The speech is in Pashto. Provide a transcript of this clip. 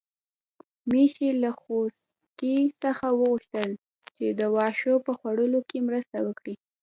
میښې له خوسکي څخه وغوښتل چې د واښو په خوړلو کې مرسته وکړي.